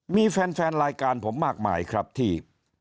มีแฟนรายการผมมากมายครับที่